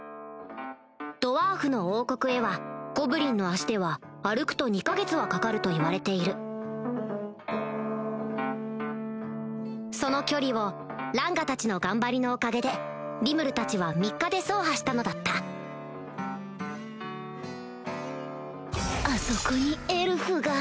ドワーフの王国へはゴブリンの足では歩くと２か月はかかるといわれているその距離をランガたちの頑張りのおかげでリムルたちは３日で走破したのだったあそこにエルフが